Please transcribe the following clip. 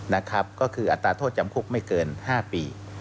นะครับก็คืออัตราโทษจำคุกไม่เกิน๕ปี